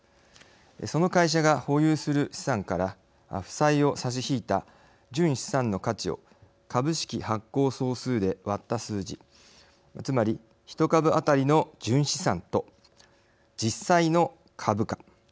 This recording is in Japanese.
その会社が保有する資産から負債を差し引いた純資産の価値を株式発行総数で割った数字つまり一株あたりの純資産と実際の株価